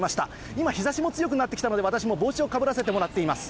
今、日ざしが強くなってきたので、私も帽子をかぶらせてもらっています。